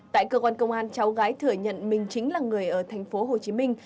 tại cơ quan công an cháu gái thừa nhận mình chính là người ở tp hồ chí minh